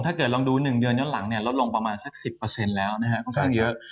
ถ้าเกิดลองดู๑เดือนย้อนหลังลดลงประมาณสัก๑๐แล้วค่อนข้างเยอะ